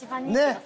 ねっ？